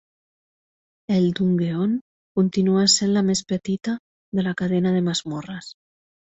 El Dungeon continua sent la més petita de la cadena de masmorres.